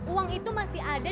uang itu masih ada